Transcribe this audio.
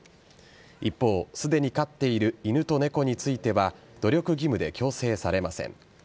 一方、すでに飼っている犬と猫については努力義務で強制されません。